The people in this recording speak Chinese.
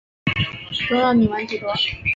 仲要隐瞒几多？